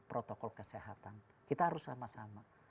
protokol kesehatan kita harus sama sama